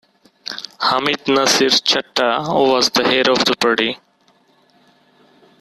Hamid Nasir Chattha was the head of the party.